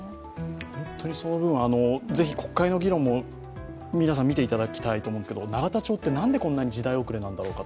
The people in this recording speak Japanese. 本当にその分、ぜひ国会の議論も皆さん見ていただきたいと思うんですけど、永田町ってなんでこんなに時代遅れなんだろうかと。